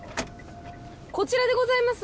こちらでございます